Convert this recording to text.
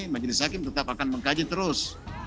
majelis hakim tetap akan mengkaji terus